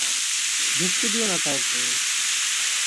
ঢুকতে দিওনা কাওকে।